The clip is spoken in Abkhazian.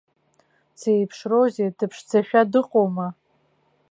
Дзеиԥшроузеи, дыԥшӡашәа дыҟоума?